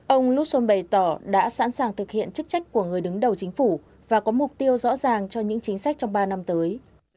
ông luxon bày tỏ đã sẵn sàng thực hiện chức trách của người đứng đầu chính phủ và có mục tiêu rõ ràng cho những chính sách trong ba năm tới